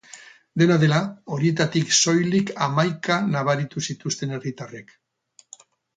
Dena dela, horietatik soilik hamaika nabaritu zituzten herritarrek.